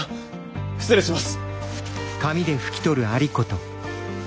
失礼します！